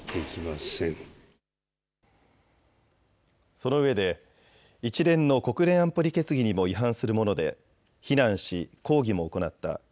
そのうえで一連の国連安保理決議にも違反するもので非難し抗議も行った。